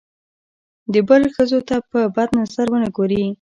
د بل ښځو ته په بد نظر ونه ګوري.